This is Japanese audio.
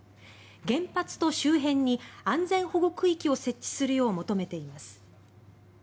原発と周辺に安全保護区域を設置するよう求めています。